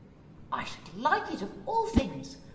' I should like it of all things.